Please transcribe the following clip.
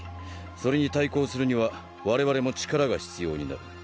それに対抗するには我々も力が必要になる。